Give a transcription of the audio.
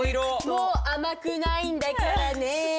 もう甘くないんだからね。